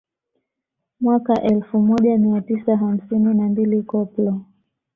Mwaka elfu moja mia tisa hamsini na mbili Koplo